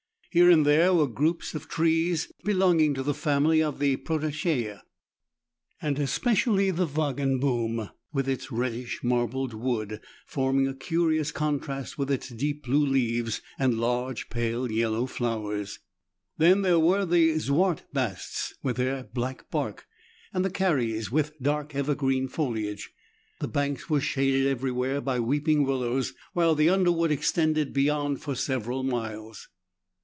Here and there were groups of trees belonging to the family of the " proteacese," and especially the "wagenboom" with its reddish marbled wood forming a curious contrast with its deep blue leaves and large pale yellow flowers : then there were the " zwarte basts" with their black bark, and the "karrees" with dark evergreen foliage. The banks were shaded every where by weeping willows, while the underwood extended beyond 3 40 ^rERIDIANA ; THE ADVENTURES OF for several miles.